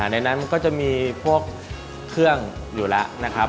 ในนั้นก็จะมีพวกเครื่องอยู่แล้วนะครับ